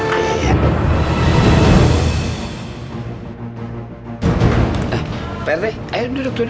pak rt ayo duduk duduk